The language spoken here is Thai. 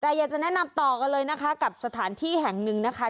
แต่อยากจะแนะนำต่อกันเลยนะคะกับสถานที่แห่งหนึ่งนะคะ